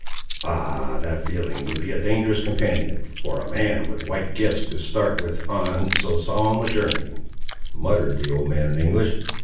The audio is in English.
"Ah that feeling would be a dangerous companion for a man with white gifts to start with on so solemn a journey," muttered the old man in English.